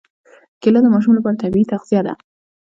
کېله د ماشو لپاره طبیعي تغذیه ده.